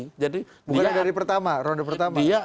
bukannya dari pertama ronde pertama